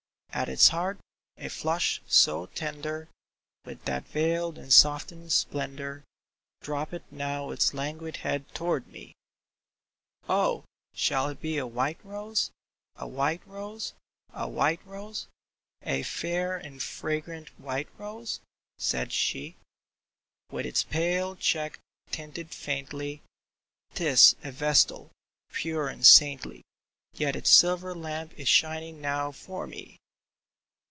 " At its heart a flush so tender, With what veiled and softened splendor Droopeth now its languid head toward me !"*' Oh, shall it be a white rose, a white rose, a white rose, A fair and fragrant white rose ?" said she. '' With its pale cheek tinted faintly, 'Tis a vestal, pure and saintly, Yet its silver lamp is shining now for me